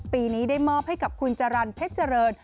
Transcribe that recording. ปีนี้ได้มอบให้กับคุณจรรย์เพชรเจริญ